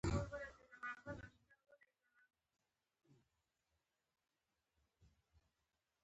وفاداري او زړورتیا د انسان د شخصیت لوړوالی ښيي.